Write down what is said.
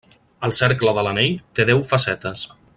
El cercle de l'anell té deu facetes.